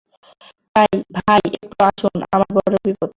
ভাই, একটু আসুন, আমার বড় বিপদ।